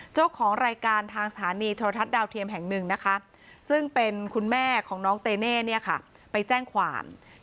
เจ้าของรายการทางสถานีธรรทัศน์ดาวเทียมแห่งหนึ่งนะคะ